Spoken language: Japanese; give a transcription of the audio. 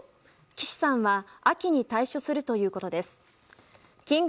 岸さんは秋に退所するということです。